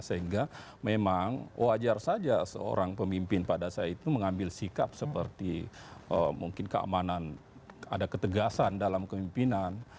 sehingga memang wajar saja seorang pemimpin pada saat itu mengambil sikap seperti mungkin keamanan ada ketegasan dalam kemimpinan